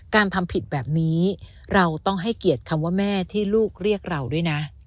การทำผิดแบบนี้เราต้องให้เกียรติคำว่าแม่ที่ลูกเรียกเราด้วยนะ